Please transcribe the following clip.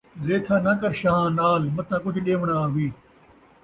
لیکھا ناں کر شاہاں نال ، متاں کجھ ݙیوݨا آوی